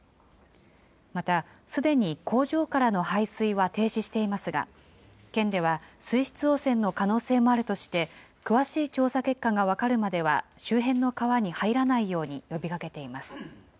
またすでに工場からの排水は停止していますが、県では水質汚染の可能性もあるとして、詳しい調査結果が分かるまでは、周辺の川に入らないように呼びかけています。